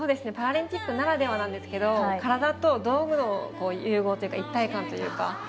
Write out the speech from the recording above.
パラリンピックならではなんですけれども体と道具の融合というか一体感というか。